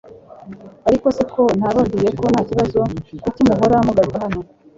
ariko se ko nababwiye ko ntakibazo kuki muhora mugaruka hano